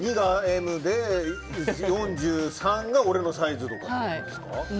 ２がＭで４３が俺のサイズとかっていうことですか？